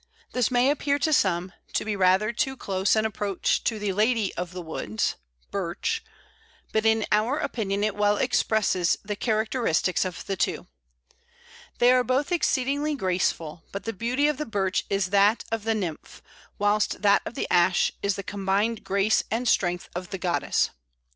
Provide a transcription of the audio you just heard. This may appear to some to be rather too close an approach to the "Lady of the Woods" (Birch), but in our opinion it well expresses the characteristics of the two. They are both exceedingly graceful, but the beauty of the Birch is that of the nymph, whilst that of the Ash is the combined grace and strength of the goddess.